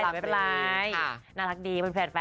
เขาไม่แต่บอกฉันเรายังไงว่าจะเปิดตัวมาลัยอะไรยังไง